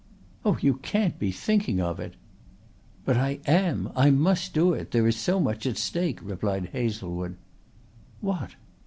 "Oh, you can't be thinking of it!" "But I am. I must do it. There is so much at stake," replied Hazlewood. "What?"